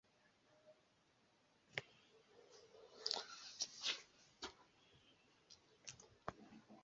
Policanoj priserĉis aŭtojn kaj aŭtobusojn, kaj surĉevalaj kolegoj, kune kun hundoj, observis la manifestaciantojn.